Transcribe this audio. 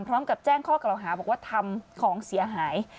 พร้อมกับแจ้งข้อกล่าวหาบอกว่าทำของเสียหาย